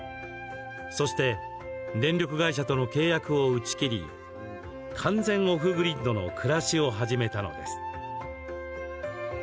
そして電力会社との契約を打ち切り、完全オフグリッドの暮らしを始めたのです。